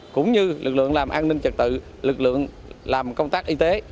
cũng như lực lượng làm an ninh trật tự lực lượng làm công tác y tế